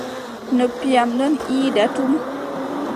Noppi am don iida tum.